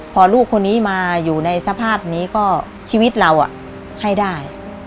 พอลูกคนนี้มาอยู่ในสภาพนี้ก็ชีวิตเราให้ได้